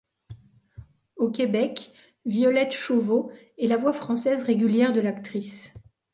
Au Québec, Violette Chauveau est la voix française régulière de l'actrice.